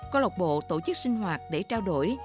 câu lộc bộ tổ chức sinh hoạt để trao đổi